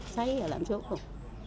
xáy rồi làm suốt luôn